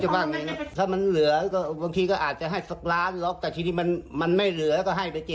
เบือนหน้านี่นิดหนึ่ง